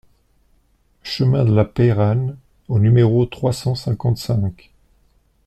Chemin de la Peyranne au numéro trois cent cinquante-cinq